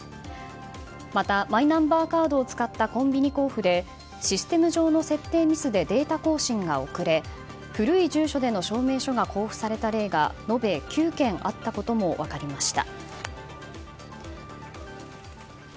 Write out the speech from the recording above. またマイナンバーカードを使ったコンビニ交付でシステム上の設定ミスでデータ更新が遅れ古い住所での証明書が交付された例が延べ９件あったことも分かりました。